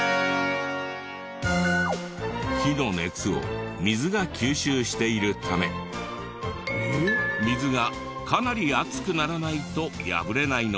火の熱を水が吸収しているため水がかなり熱くならないと破れないのです。